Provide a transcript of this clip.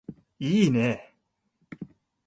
いいね